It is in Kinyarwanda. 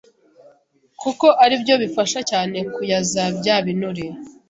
kuko ari byo bifasha cyane kuyaza bya binure